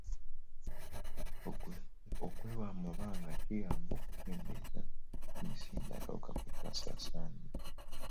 Okwewa amabanga kiyamba okukendeeza emisinde akawuka kwe kasaasaanira.